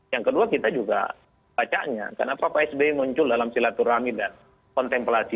yang kedua kita juga bacanya kenapa pak sby muncul dalam silaturahmi dan kontemplasi